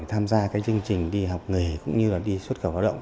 tham gia chương trình đi học nghề cũng như đi xuất khẩu lao động